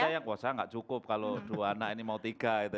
ada yang bahwa saya tidak cukup kalau dua anak ini mau tiga